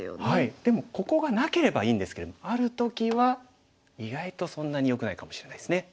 でもここがなければいいんですけどもある時は意外とそんなによくないかもしれないですね。